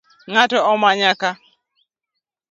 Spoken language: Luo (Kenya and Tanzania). Ng’ato omanya kaa?